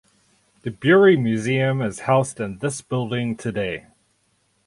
The brewery museum is housed in this building today.